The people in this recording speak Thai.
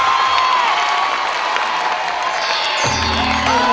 ก้าวหน่อยดีกว่า